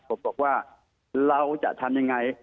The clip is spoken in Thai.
ผมบอกว่าเราจะทำยังไง